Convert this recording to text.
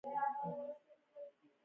ایا ستاسو قضاوت عادلانه نه دی؟